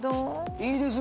いいですよ。